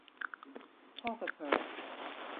Hofoper.